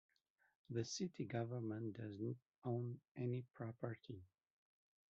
The city government does not own any property.